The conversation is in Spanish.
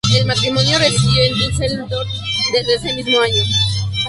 El matrimonio residió en Düsseldorf desde ese mismo año.